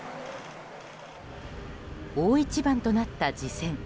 大一番となった次戦。